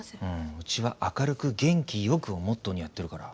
うちは「明るく元気よく」をモットーにやってるから。